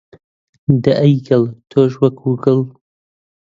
دەی ئەی گڵ، تۆش وەکو گڵ